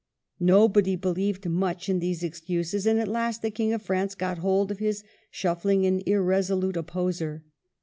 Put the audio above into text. Nobody believed much in these excuses, and at last the King of France got hold of his shuffling and irreso lute opposer.